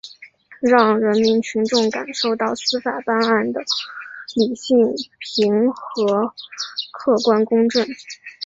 让人民群众感受到司法办案的理性平和、客观公正